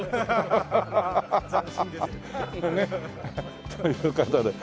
斬新です。という事で。